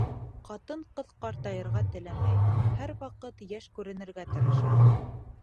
Ҡатын-ҡыҙ ҡартайырға теләмәй, һәр ваҡыт йәш күренергә тырыша.